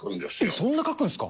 そんな書くんですか。